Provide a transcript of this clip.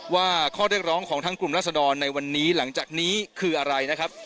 ว่าข้อเรียกร้องของทั้งกลุ่มรัศดรในวันนี้หลังจากนี้คืออะไรนะครับ